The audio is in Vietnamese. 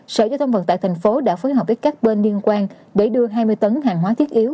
sở công thương tp hcm đã phối hợp với các bên liên quan để đưa hai mươi tấn hàng hóa thiết yếu